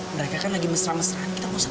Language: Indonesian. mereka kan lagi mesra mesraan kita mau sedang